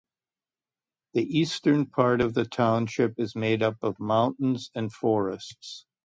The eastern part of the township is made up of mountains and forests.